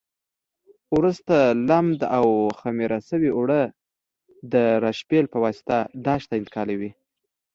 وروسته لمد او خمېره شوي اوړه د راشپېل په واسطه داش ته انتقالوي.